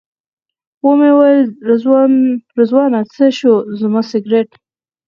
ومې ویل رضوانه څه شو زما سګرټ.